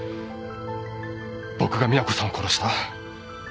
僕が美奈子さんを殺した。